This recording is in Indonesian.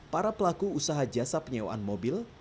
para pelaku usaha jasa penyewaan mobil